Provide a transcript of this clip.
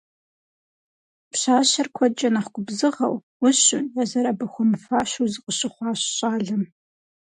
Пщащэр куэдкӀэ нэхъ губзыгъэу, Ӏущуу, езыр абы хуэмыфащэу зыкъыщыхъуащ щӀалэм.